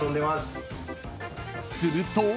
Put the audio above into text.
［すると］